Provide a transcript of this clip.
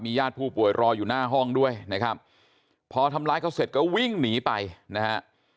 ญาติผู้ป่วยรออยู่หน้าห้องด้วยนะครับพอทำร้ายเขาเสร็จก็วิ่งหนีไปนะฮะ